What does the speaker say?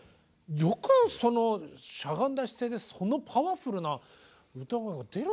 よくそのしゃがんだ姿勢でそのパワフルな歌声が出るなと思って。